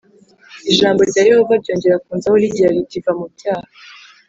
ijambo rya yehova ryongera kunzaho rigira riti va mu byaha